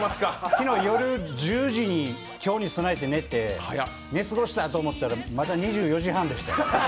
昨日夜１０時に今日に備えて寝て、寝過ごしたと思ったらまだ２４時半でした。